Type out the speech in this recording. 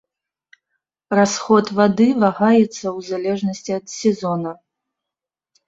Расход вады вагаецца ў залежнасці ад сезона.